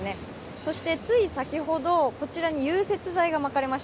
そしてつい先ほど、こちらの融雪剤がまかれました。